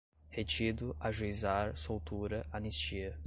retido, ajuizar, soltura, anistia